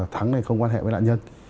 thắng này không quan hệ với đạn nhân